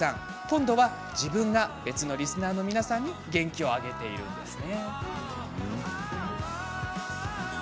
今度は自分が別のリスナーに元気をあげているんです。